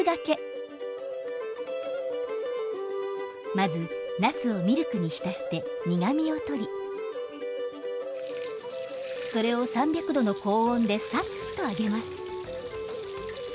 まずなすをミルクに浸して苦みを取りそれを３００度の高温でサッと揚げます。